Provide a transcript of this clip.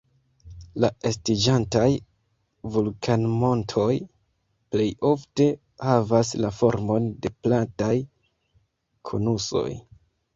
La estiĝantaj vulkanmontoj plej ofte havas la formon de plataj konusoj.